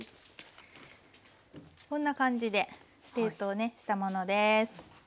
こんな感じで冷凍ねしたものです。